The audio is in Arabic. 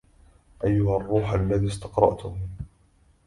ايها الروح الذي استقرأته